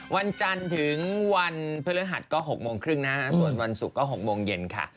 วันจันทร์ถึงวันพฤหัสก็๖โมงครึ่งนะฮะส่วนวันศุกร์ก็๖โมงเย็นค่ะ